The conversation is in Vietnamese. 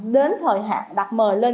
đến thời hạn đặt mời lên